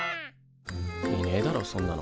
いねえだろそんなの。